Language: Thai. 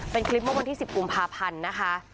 เป็นคลิปเมื่อวันที่๑๐กุมภาพันธ์นะคะ